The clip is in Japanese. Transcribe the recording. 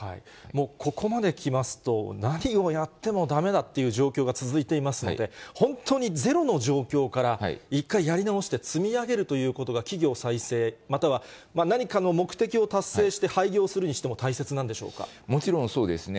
ここまできますと、何をやってもだめだっていう状況が続いていますので、本当にゼロの状況から、一回やり直して、積み上げるということが、企業再生、または何かの目的を達成して廃業するにしても、大切なんでしもちろんそうですね。